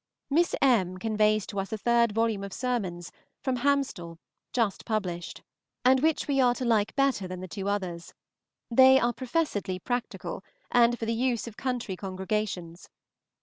Miss M. conveys to us a third volume of sermons, from Hamstall, just published, and which we are to like better than the two others; they are professedly practical, and for the use of country congregations.